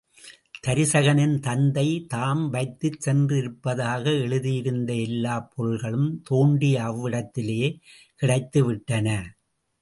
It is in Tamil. தருசகனின் தந்தை தாம் வைத்துச் சென்றிருப்பதாக எழுதியிருந்த எல்லாப் பொருள்களும் தோண்டிய அவ்விடத்திலேயே கிடைத்துவிட்டன.